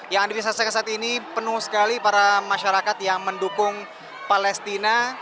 yang dipisahkan saat ini penuh sekali para masyarakat yang mendukung palestina